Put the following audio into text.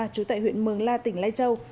trú tại huyện mường la tỉnh lai châu